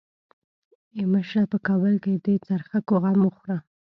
ای مشره په کابل کې د څرخکو غم وخوره.